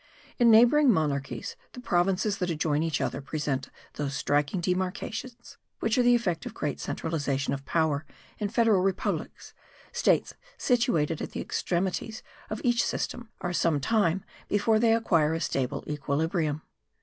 In neighbouring monarchies the provinces that adjoin each other present those striking demarcations which are the effect of great centralization of power in federal republics, states situated at the extremities of each system are some time before they acquire a stable equilibrium.